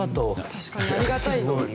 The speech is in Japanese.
確かにありがたい。